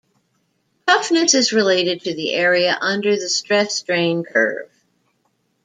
Toughness is related to the area under the stress-strain curve.